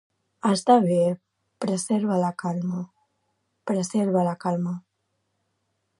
Està bé, preserva la calma, preserva la calma.